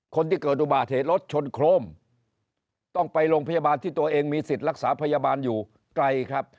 คนที่เกิดอุบัติเหตุรถชนโครมต้องไปโรงพยาบาลที่ตัวเองมีสิทธิ์รักษาพยาบาลอยู่ไกลครับ